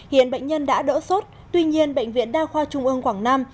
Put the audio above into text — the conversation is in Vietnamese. hiện bệnh nhân đã đỡ sốt tuy nhiên bệnh viện đa khoa trung ương quảng nam